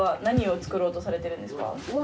何を作ろうとされてるんですか？